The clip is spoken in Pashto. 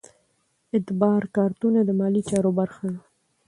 اعتبار کارتونه د مالي چارو برخه ده.